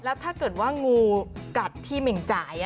แล้วถ้าเกิดว่างูกัดที่หมิ่งจ่าย